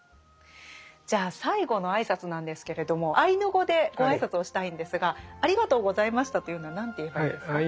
じゃあ最後の挨拶なんですけれどもアイヌ語でご挨拶をしたいんですが「ありがとうございました」というのは何て言えばいいんですか？